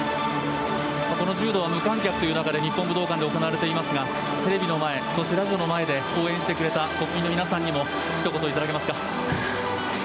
この柔道は無観客という中日本武道館で行われていますがテレビの前、ラジオの前で応援してくれた国民の皆様にもひと言いただけますか。